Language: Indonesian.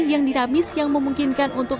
yang dinamis yang memungkinkan untuk